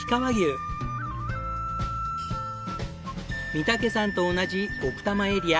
御岳山と同じ奥多摩エリア